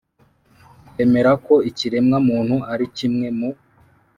Twemera ko ikiremwa muntu ari kimwe mu